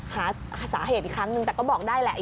หาสาเหตุอีกครั้งนึงแต่ก็บอกได้แหละ